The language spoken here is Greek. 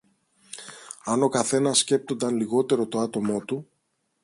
Αν ο καθένας σκέπτονταν λιγότερο το άτομο του